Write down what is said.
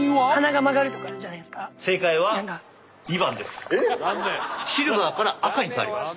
正解はシルバーから赤に変わります。